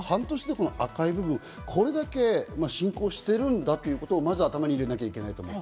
赤い部分、これだけ侵攻しているんだということはまず頭に入れなきゃいけない。